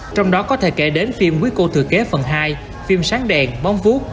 trong đó có thể kể đến phim quý cô thừa kế phần hai phim sáng đèn bóng vút